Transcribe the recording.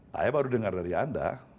saya baru dengar dari anda